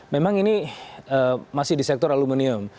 memang ini masih di sektor aluminium